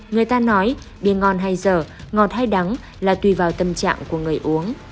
người ta nói điên ngon hay dở ngọt hay đắng là tùy vào tâm trạng của người uống